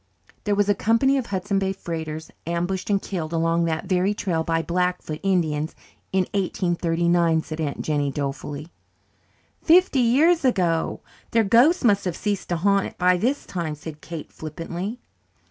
"There was a company of Hudson Bay freighters ambushed and killed along that very trail by Blackfoot Indians in 1839," said Aunt Jennie dolefully. "Fifty years ago! Their ghosts must have ceased to haunt it by this time," said Kate flippantly.